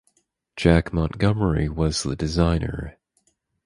Jack Montgomery was the designer.